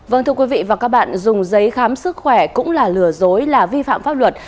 vâng thưa quý vị và các bạn dùng giấy khám sức khỏe cũng là lừa dối là vi phạm pháp luật